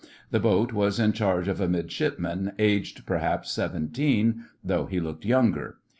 The boat was in charge of a Midshipman aged, perhaps, seventeen, though he looked younger.